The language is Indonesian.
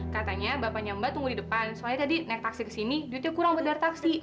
katanya bapaknya mbak tunggu di depan soalnya tadi naik taksi ke sini duitnya kurang benar taksi